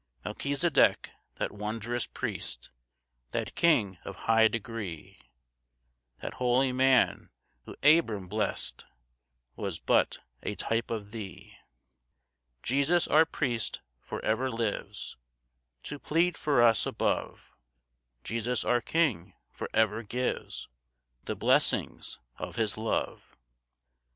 4 "Melchisedek, that wondrous priest, "That king of high degree, "That holy man who Abr'am blest, "Was but a type of thee." 5 Jesus our priest for ever lives To plead for us above; Jesus our king for ever gives The blessings of his love.